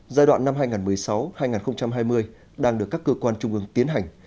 giai đoạn năm hai nghìn một mươi sáu hai nghìn hai mươi đang được các cơ quan trung ương tiến hành